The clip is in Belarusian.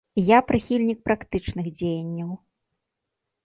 Я прыхільнік практычных дзеянняў.